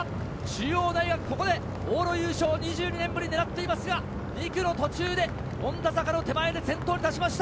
中央大学、ここで往路優勝２２年ぶりをねらっていますが、２区の途中で権太坂の手前で先頭に立ちました。